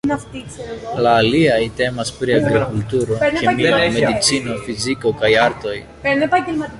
La aliaj temas pri Agrikulturo, Kemio, Medicino, Fiziko kaj Artoj.